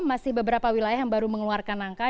masih beberapa wilayah yang baru mengeluarkan angka